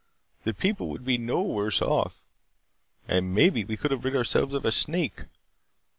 The people would be no worse off. And maybe we could have rid ourselves of a snake.